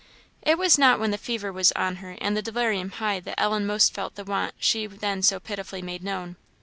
It was not when the fever was on her and delirium high that Ellen most felt the want she then so pitifully made known.